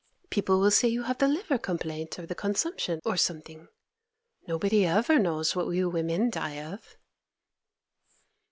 People will say you have the liver complaint, or the consumption, or something. Nobody ever knows what we women die of.